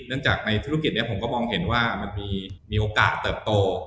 เนื่องจากในธุรกิจนี้ผมก็มองเห็นว่ามันมีโอกาสเติบโต